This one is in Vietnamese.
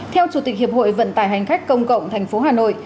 theo chủ tịch hiệp hội vận tải hành khách công cộng tp hà nội